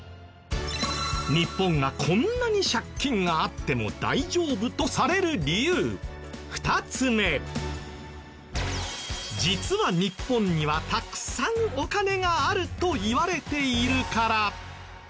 日本がこんなに借金があっても実は日本にはたくさんお金があるといわれているから。